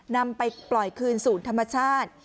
นำไปปล่อยคืนสู่ธรรมชาติ